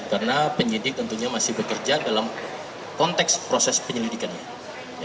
karena penyidik tentunya masih bekerja dalam konteks proses penyelidikannya